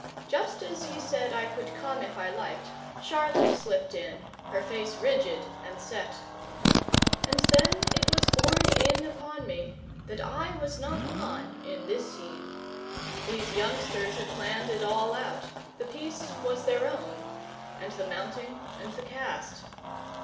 Just as he said I could come if I liked, Charlotte slipped in, her face rigid and set. And then it was borne in upon me that I was not on in this scene. These youngsters had planned it all out, the piece was their own, and the mounting, and the cast.